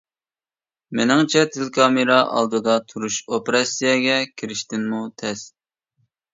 مېنىڭچە تېلېكامېرا ئالدىدا تۇرۇش ئوپېراتسىيەگە كىرىشتىنمۇ تەس.